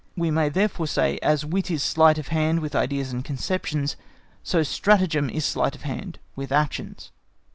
We may therefore say, as nit is a sleight of hand with ideas and conceptions, so stratagem is a sleight of hand with actions.